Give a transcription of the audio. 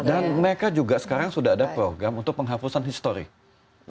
dan mereka juga sekarang sudah ada program untuk penghapusan historik